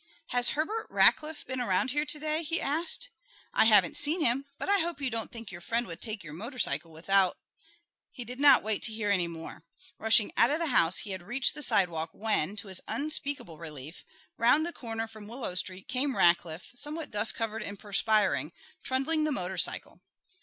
"Has Herbert Rackliff been around here to day?" he asked. "I haven't seen him, but I hope you don't think your friend would take your motorcycle without " He did not wait to hear any more. Rushing out of the house, he had reached the sidewalk when, to his unspeakable relief, round the corner from Willow Street came Rackliff, somewhat dust covered and perspiring, trundling the motorcycle.